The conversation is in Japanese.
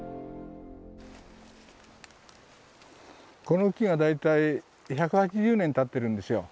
この木が大体１８０年立ってるんですよ。